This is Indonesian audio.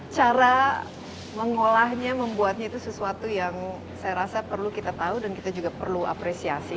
cara mengolahnya membuatnya itu sesuatu yang saya rasa perlu kita tahu dan kita juga perlu apresiasi